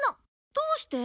どうして？